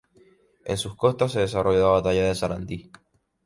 En sus costas se desarrolló la Batalla de Sarandí.